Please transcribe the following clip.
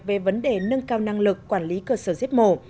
về vấn đề nâng cao năng lực quản lý cơ sở giết mổ